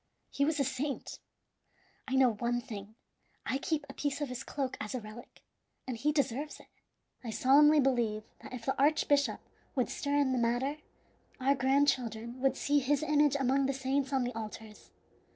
He was a saint! I know one thing I keep a piece of his cloak as a relic, and he deserves it. I solemnly believe that if the archbishop would stir in the matter, our grandchildren would see his image among the saints on the altars.